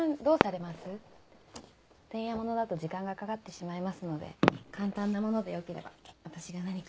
店屋物だと時間がかかってしまいますので簡単なものでよければ私が何か。